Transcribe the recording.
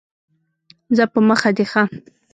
ځه په مخه دي ښه !